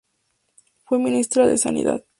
Fue ministra de Sanidad.